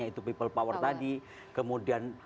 yaitu people power tadi kemudian